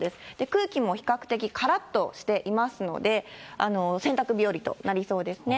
空気も比較的からっとしていますので、洗濯日和となりそうですね。